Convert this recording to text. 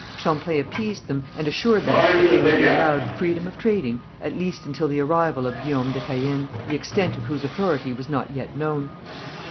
Champlain appeased them, and assured them that they would be allowed freedom of trading at least until the arrival of Guillaume de Caën, the extent of whose authority was not yet known.